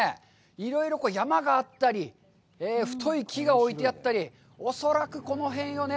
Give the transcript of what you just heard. いろいろ山があったり、太い木が置いてあったり、恐らくこの辺をね